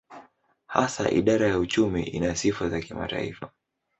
Hasa idara ya uchumi ina sifa za kimataifa.